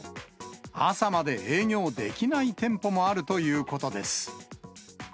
朝まで営業できない店舗もあるということです。